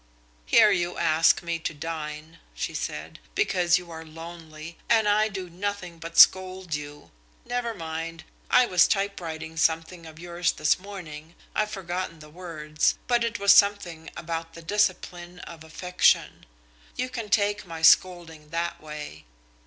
"Here you ask me to dine," she said, "because you are lonely, and I do nothing but scold you! Never mind. I was typewriting something of yours this morning I've forgotten the words, but it was something about the discipline of affection. You can take my scolding that way.